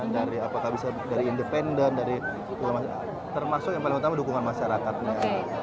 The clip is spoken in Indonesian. dari apakah bisa dari independen dari termasuk yang paling utama dukungan masyarakatnya